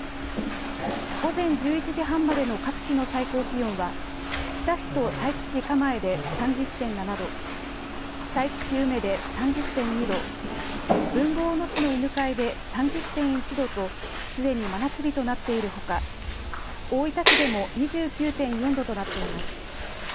午前１１時半までの各地の最高気温は日田市と佐伯市蒲江で３０．７度佐伯市宇目で３０．２度豊後大野市の犬飼で３０．１度とすでに真夏日となっているほか大分市でも２９．４度となっています。